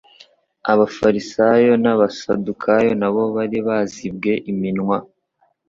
Abafarisayo n'abasadukayo na bo bari bazibwe iminwa.